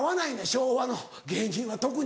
昭和の芸人は特に。